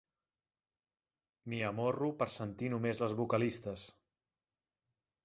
M'hi amorro per sentir només les vocalistes.